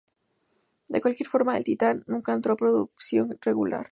De cualquier forma, el Titán nunca entró a producción regular.